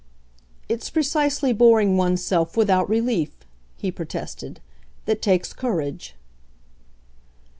"It's precisely boring one's self without relief," he protested, "that takes courage."